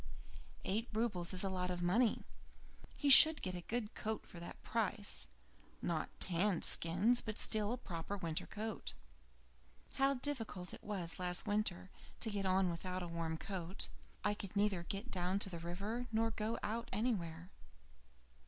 Eight roubles is a lot of money he should get a good coat at that price. Not tanned skins, but still a proper winter coat. How difficult it was last winter to get on without a warm coat. I could neither get down to the river, nor go out anywhere.